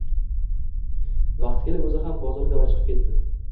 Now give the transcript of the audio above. Vaqti kelib oʻzi ham bozorga chiqib ketdi.